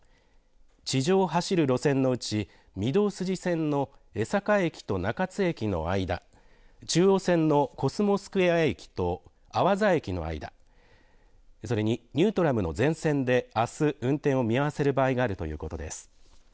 地上を走る路線のうち御堂筋線の江坂駅と中津駅の間、中央線のコスモスクエア駅と阿波座駅の間、それにニュートラムの全線であす運転を見合わせる場合があるということです。